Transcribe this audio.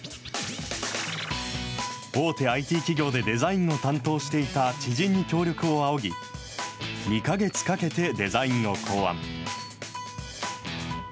大手ＩＴ企業でデザインを担当していた知人に協力を仰ぎ、２か月かけてデザインを考案。